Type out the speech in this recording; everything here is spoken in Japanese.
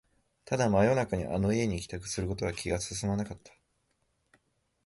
ただ、真夜中にあの家に帰宅することは気が進まなかった